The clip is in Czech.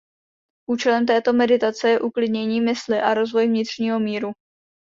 Účelem této meditace je uklidnění mysli a rozvoj vnitřního míru.